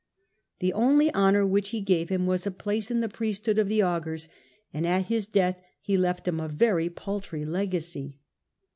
The only honour which he gave him was a place in the priesthood of the augurs, and at his death he left him a very paltry legacy.